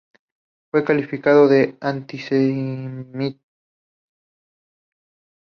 Fue calificado de antisemita.